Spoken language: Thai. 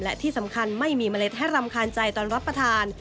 และที่สำคัญไม่มีเมล็ดให้รำคาญใจตอนรับประทาน